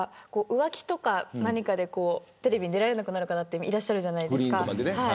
浮気とか何かで、テレビに出られなくなる方いらっしゃるじゃないですか。